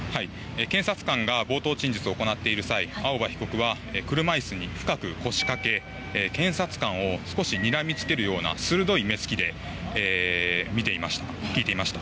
検察官が冒頭陳述を行っている際、青葉被告は車いすに深く腰掛け検察官を少しにらみつけるような鋭い目つきで見ていました。